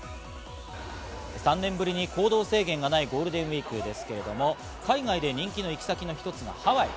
３年ぶりに行動制限がないゴールデンウイークですけれども、海外で人気の行き先の一つがハワイ。